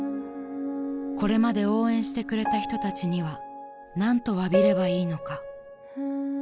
［これまで応援してくれた人たちには何とわびればいいのか］